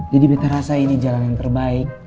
jadi beta rasa ini jalan yang terbaik